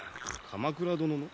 鎌倉殿の？